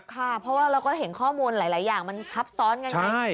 ค่ะเพราะว่าเราก็เห็นข้อมูลหลายอย่างมันทับซ้อนกันไง